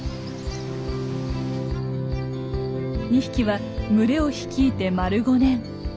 ２匹は群れを率いて丸５年。